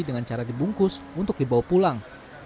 dengan cara dibungkus untuk dibawa pulang